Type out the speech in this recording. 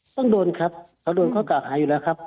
ต้องโดนครับเขาโดนข้อเก่าหาอยู่แล้วครับ